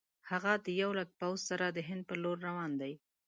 هغه د یو لک پوځ سره د هند پر لور روان دی.